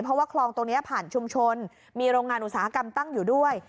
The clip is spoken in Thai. เพราะว่าคลองตรงนี้ผ่านชุมชนมีโรงงานอุตสาหกรรมตั้งอยู่ด้วย